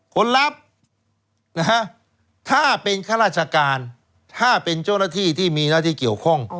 คนรับถ้าเป็นข้าราชการถ้าเป็นเจ้าหน้าที่ที่มีหน้าที่เกี่ยวข้อง